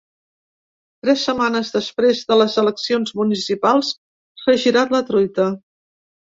Tres setmanes després de les eleccions municipals, s’ha girat la truita.